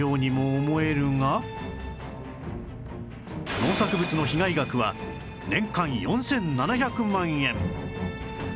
農作物の被害額は年間４７００万円